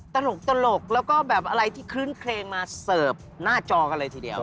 ตลกแล้วก็แบบอะไรที่คลื่นเครงมาเสิร์ฟหน้าจอกันเลยทีเดียว